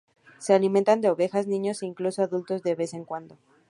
Se alimenta de ovejas, niños e incluso adultos de vez en cuando.